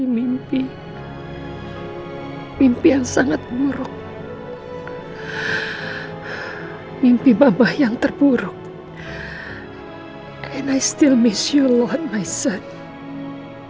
mimpi mimpi yang sangat buruk mimpi bapak yang terburuk dan saya masih rindu bapak anakku